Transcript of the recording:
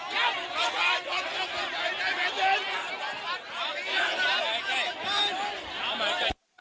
ตามมา